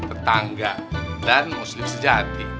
tetangga dan muslim sejati